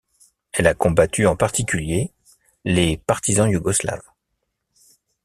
Elle a combattu en particulier les Partisans Yougoslaves.